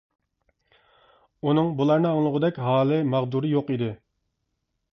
ئۇنىڭ بۇلارنى ئاڭلىغۇدەك ھالى، ماغدۇرى يوق ئىدى.